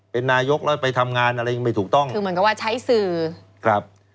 เป็นนายกแล้วไปทำงานอะไรยังไม่ถูกต้องคือเหมือนกับว่าใช้สื่อครับ